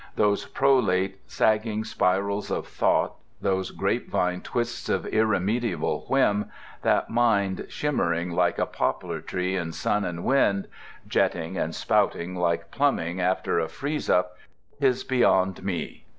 Those prolate, sagging spirals of thought, those grapevine twists of irremediable whim, that mind shimmering like a poplar tree in sun and wind—jetting and spouting like plumbing after a freeze up—'tis beyond me.